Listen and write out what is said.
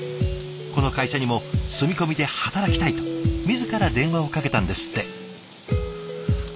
この会社にも「住み込みで働きたい」と自ら電話をかけたんですって。